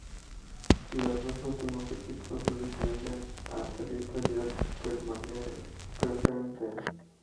Los dos últimos equipos descienden a Territorial Preferente.